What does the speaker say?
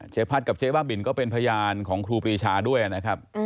พัดกับเจ๊บ้าบินก็เป็นพยานของครูปรีชาด้วยนะครับ